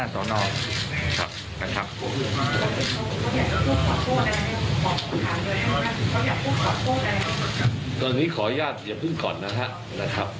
ตอนนี้ขออนุญาตอย่าพึ่งก่อนนะครับ